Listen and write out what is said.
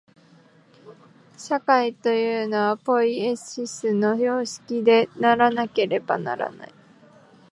社会というのは、ポイエシスの様式でなければならない。